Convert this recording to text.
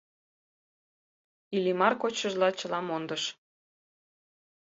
Иллимар кочшыжла чыла мондыш.